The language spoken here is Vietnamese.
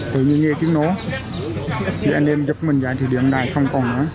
tự nhiên nghe tiếng nói dạy nên giúp mình dạy thủy điện đài không còn nữa